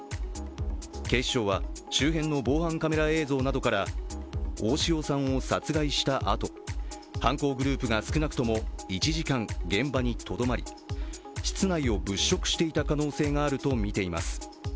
警視庁は周辺の防犯カメラ映像などから、大塩さんを殺害したあと犯行グループが少なくとも１時間現場にとどまり、室内を物色していた可能性があるとみています。